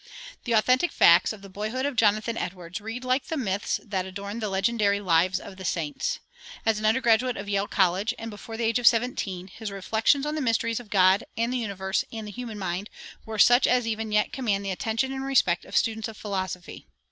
The authentic facts of the boyhood of Jonathan Edwards read like the myths that adorn the legendary Lives of the Saints. As an undergraduate of Yale College, before the age of seventeen, his reflections on the mysteries of God, and the universe, and the human mind, were such as even yet command the attention and respect of students of philosophy.